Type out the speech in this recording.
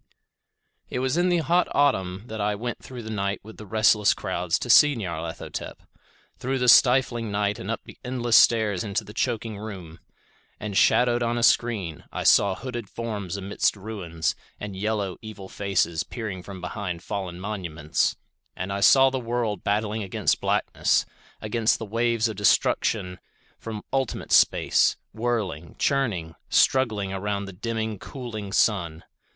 It was in the hot autumn that I went through the night with the restless crowds to see Nyarlathotep; through the stifling night and up the endless stairs into the choking room. And shadowed on a screen, I saw hooded forms amidst ruins, and yellow evil faces peering from behind fallen monuments. And I saw the world battling against blackness; against the waves of destruction from ultimate space; whirling, churning; struggling around the dimming, cooling sun.